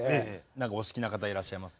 何かお好きな方いらっしゃいます？